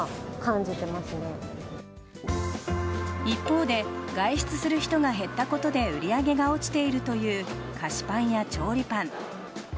一方で外出する人が減ったことで売り上げが落ちているという菓子パンや調理パン。